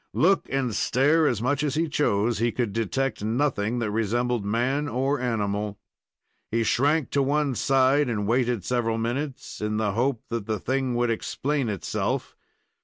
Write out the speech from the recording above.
Look and stare as much as he chose, he could detect nothing that resembled man or animal. He shrank to one side and waited several minutes, in the hope that the thing would explain itself.